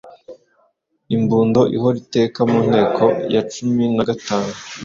Imbundo ihora iteka mu nteko ya cumin a gatanu